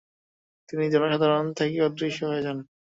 তিনি জনসাধারণ থেকে অদৃশ্য হয়ে যান।